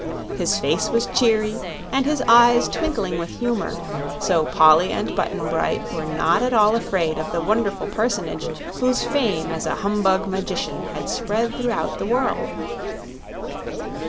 His face was cheery and his eyes twinkling with humor, so Polly and Button Bright were not at all afraid of the wonderful personage whose fame as a humbug magician had spread throughout the world.